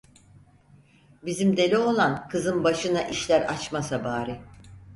"Bizim deli oğlan kızın başına işler açmasa bari!